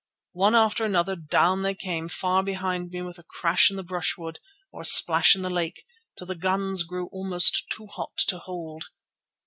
One after another down they came far behind me with a crash in the brushwood or a splash in the lake, till the guns grew almost too hot to hold.